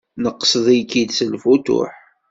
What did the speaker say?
Nqesd-ik-id s lfutuḥ.